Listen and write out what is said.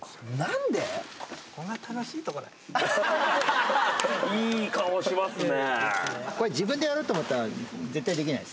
・アハハハいい顔しますね